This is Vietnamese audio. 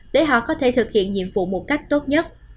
để họ có thể thực hiện nhiệm vụ một cách tốt nhất